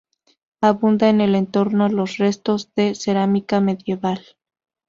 Abundan en el entorno los restos de cerámica medieval.